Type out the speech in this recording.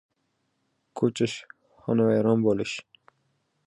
• Ko‘chish ― xonavayron bo‘lish.